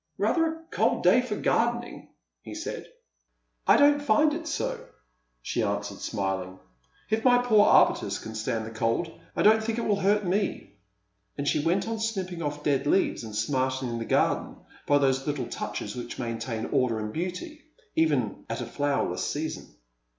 " Rather a cold day for gardening," he said. " I don't find it so," she answered, smiling. " If my poor arbutus can stand the cold, I don't think it will hurt me ;" and she went on snipping ofE dead leaves, and smartening the garden by those little touches which maintain order and beauty even at a fiowerless season.